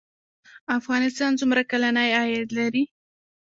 افغانستان څومره کلنی عاید لري؟